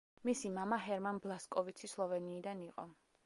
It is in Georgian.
მისი მამა ჰერმან ბლასკოვიცი სლოვენიიდან იყო.